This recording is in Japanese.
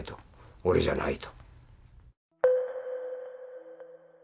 俺じゃないと。